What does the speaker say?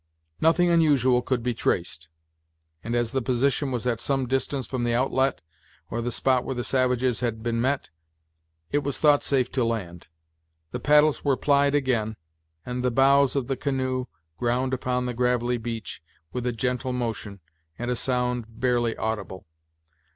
Nothing unusual could be traced; and as the position was at some distance from the outlet, or the spot where the savages had been met, it was thought safe to land. The paddles were plied again, and the bows of the canoe ground upon the gravelly beach with a gentle motion, and a sound barely audible.